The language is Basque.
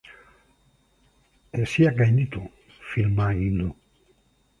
Hesiak gainditu filma egin du.